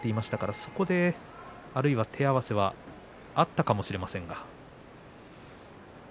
そこであるいは手合わせがあったかもしれませんが。